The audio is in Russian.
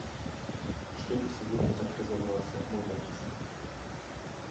Что ты сегодня так разоврался, мой батюшка?